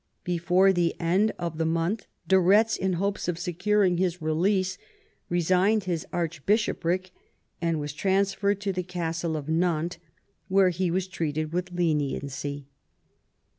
Before the end of the month de Retz, in hopes of securing his release, resigned his archbishopric, and was transferred to the castle of Nantes, where ho was treated with leniency.